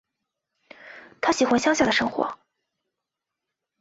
她喜欢乡下的生活